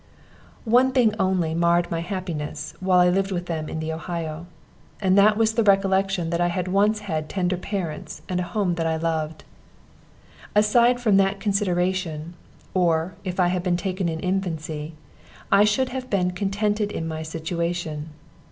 One thing only marred my happiness, while I lived with them on the Ohio; and that was the recollection that I had once had tender parents, and a home that I loved. Aside from that consideration, or, if I had been taken in infancy, I should have been contented in my situation.